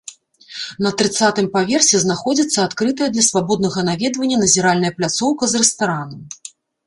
На трыццатым паверсе знаходзіцца адкрытая для свабоднага наведвання назіральная пляцоўка з рэстаранам.